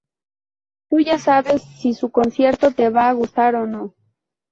tú ya sabes si su concierto te va a gustar o no